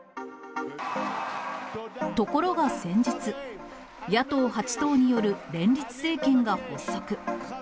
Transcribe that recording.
ところが先日、野党８党による連立政権が発足。